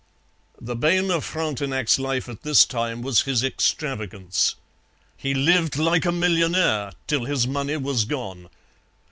The bane of Frontenac's life at this time was his extravagance. He lived like a millionaire till his money was gone.